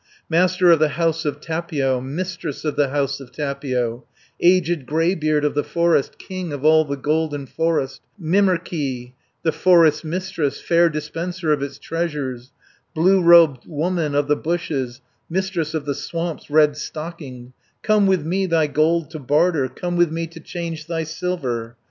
"Master of the house of Tapio, Mistress of the house of Tapio; Aged greybeard of the forest, King of all the golden forest; Mimerkki, the forest's mistress, Fair dispenser of its treasures, Blue robed woman of the bushes, Mistress of the swamps, red stockinged, 220 Come, with me thy gold to barter, Come, with me to change thy silver.